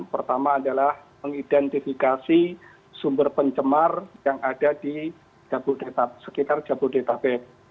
pertama adalah mengidentifikasi sumber pencemar yang ada di sekitar jabodetabek